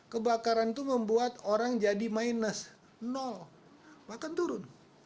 kebakaran itu membuat orang jadi minus nol bahkan turun